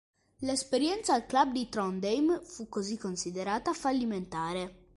L'esperienza al club di Trondheim fu così considerata fallimentare.